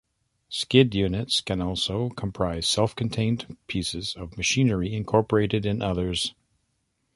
Skid units can also comprise self-contained pieces of machinery incorporated in others.